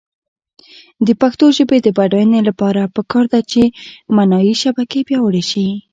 د پښتو ژبې د بډاینې لپاره پکار ده چې معنايي شبکې پیاوړې شي.